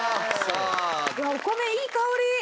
お米いい香り。